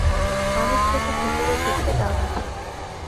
মানুষকে তো ভেতরে ঢুকতে দাও না, ঠিক?